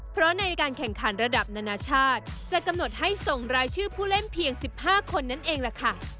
เพราะในการแข่งขันระดับนานาชาติจะกำหนดให้ส่งรายชื่อผู้เล่นเพียง๑๕คนนั่นเองล่ะค่ะ